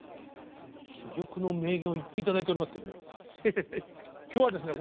珠玉の名言をいっぱい頂いておりますけれども今日はですね